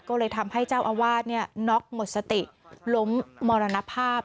ก็เลยทำให้เจ้าอาวาสน็อกหมดสติล้มมรณภาพ